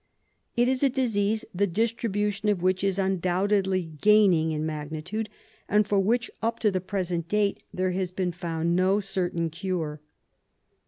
It is a disease the distribution of which is undoubtedly gaining in magnitude, and for which, up to the present date, there has been found no certain cure.